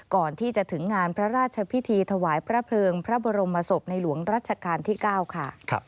ก่อนที่จะถึงงานพระราชพิธีถวายพระเพลิงพระบรมศพในหลวงรัชกาลที่๙ค่ะ